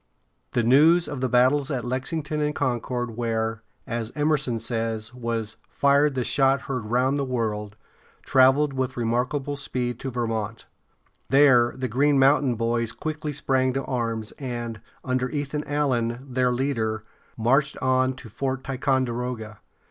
The news of the battles at Lexington and Concord, where, as Em´er son says, was "fired the shot heard round the world," traveled with remarkable speed to Ver mont´. There the Green Mountain Boys quickly sprang to arms, and, under Ethan Allen, their leader, marched on to Fort Ticonderoga.